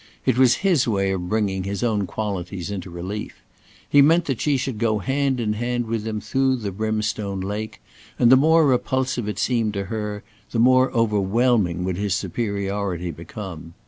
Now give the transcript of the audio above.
It was his way of bringing his own qualities into relief. He meant that she should go hand in hand with him through the brimstone lake, and the more repulsive it seemed to her, the more overwhelming would his superiority become.